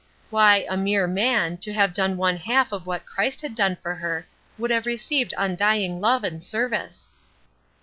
Why, a mere man, to have done one half of what Christ had done for her, would have received undying love and service.